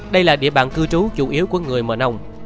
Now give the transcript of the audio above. đây là địa bàn cư trú chủ yếu của người mờ nông